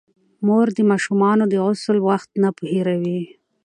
مور د ماشومانو د غسل وخت نه هېروي.